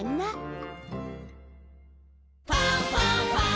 「ファンファンファン」